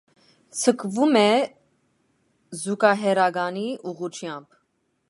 Ձգվում է զուգահեռականի ուղղությամբ։